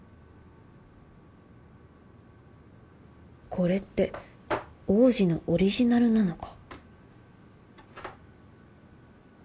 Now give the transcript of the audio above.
これって王子のオリジナルなのか？